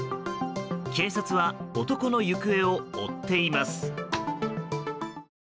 警察は男の行方を追っています。